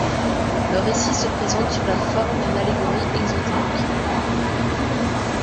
Le récit se présente sous la forme d'une allégorie exotérique.